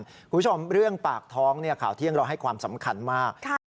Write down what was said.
คุณผู้ชมเรื่องปากท้องข่าวเที่ยงเราให้ความสำคัญมาก